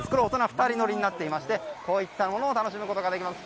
大人２人乗りになっていましてこういったものも楽しむことができます。